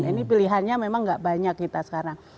ini pilihannya memang gak banyak kita sekarang